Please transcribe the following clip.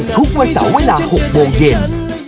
ทุกวันเสาร์เวลา๖โมงเย็น